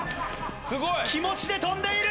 気持ちで跳んでいる！